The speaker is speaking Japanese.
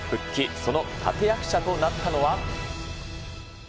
その立て役者となったのは。